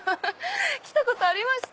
来たことありました。